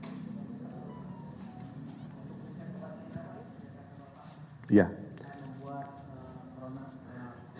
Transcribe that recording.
saya ingin buat peronasi